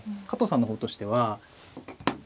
加藤さんの方としては。